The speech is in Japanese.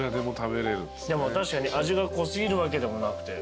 確かに味が濃過ぎるわけでもなくて。